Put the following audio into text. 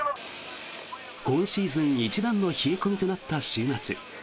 今シーズン一番の冷え込みとなった週末。